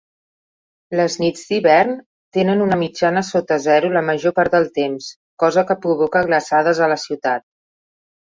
Les nits d'hivern tenen una mitjana sota zero la major part del temps, cosa que provoca glaçades a la ciutat.